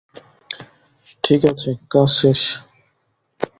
ঠিক আছে, কাজ শেষ।